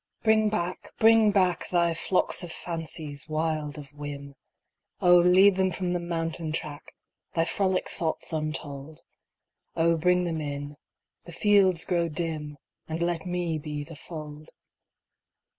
Bring back, bring back Thy flocks of fancies, wild of whim. Oh lead them from the mountain track Thy frolic thoughts untold. Oh bring them in the fields grow dim And let me be the fold.